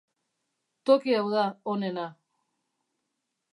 Toki hau da onena.